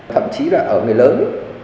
thậm chí là ở người lớn